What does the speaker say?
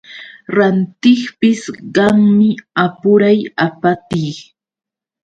Rantiqpis kanmi apuray apatii.